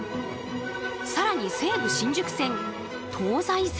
更に西武新宿線東西線